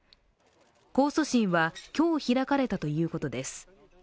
控訴審は今日開かれたということです。